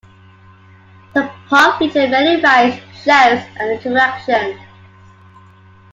The park featured many rides, shows, and attractions.